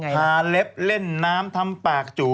เล็บเล่นน้ำทำปากจู